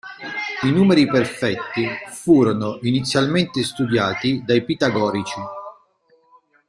I numeri perfetti furono inizialmente studiati dai pitagorici.